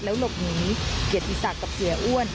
หลบหนีเกียรติศักดิ์กับเสียอ้วน